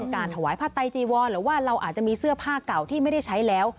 การถวายผ้าไตจีวรหรือว่าเราอาจจะมีเสื้อผ้าเก่าที่ไม่ได้ใช้แล้ว